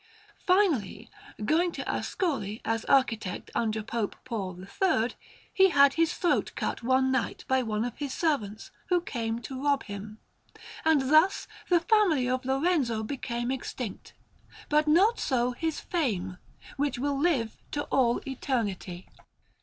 Finally, going to Ascoli as architect under Pope Paul III, he had his throat cut one night by one of his servants, who came to rob him. And thus the family of Lorenzo became extinct, but not so his fame, which will live to all eternity.